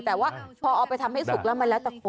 แต่ว่าพอเอาไปทำให้สุกแล้วมันแล้วแต่คน